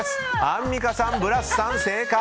アンミカさん、ブラスさん正解！